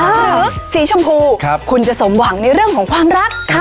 หรือสีชมพูคุณจะสมหวังในเรื่องของความรัก